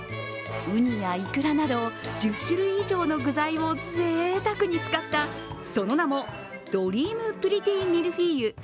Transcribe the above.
ウニやイクラなど、１０種類以上の具材をぜいたくに使ったその名もドリームプリティミルフィーユ。